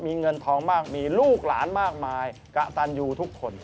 มีเงินทองมากมีลูกหลานมากมายกระตันยูทุกคน